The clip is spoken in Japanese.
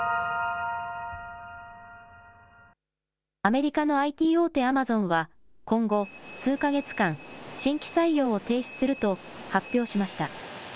アメリカのＩＴ大手、アマゾンは、今後、数か月間、新規採用を停止すると発表しました。